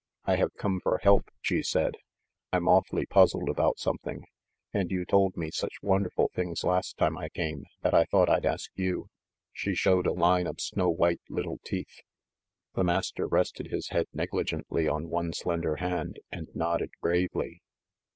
"I have come for help," she said. "I'm awfully puz zled about something, and you told me such wonder ful things last time I came, that I thought I'd ask you." She showed a line of snow white little teeth. The Master rested his head negligently on one slender hand, and nodded gravely.